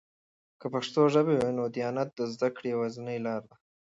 که پښتو ژبه وي، نو دیانت د زده کړې یوازینۍ لاره ده.